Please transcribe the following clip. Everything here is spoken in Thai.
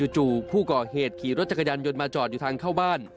จู่ผู้ก่อเหตุขี่รถจักรยานยนต์มาจอดอยู่ทางเข้าบ้าน